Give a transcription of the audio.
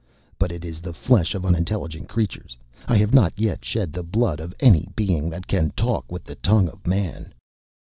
"But it is the flesh of unintelligent creatures. I have not yet shed the blood of any being that can talk with the tongue of Man."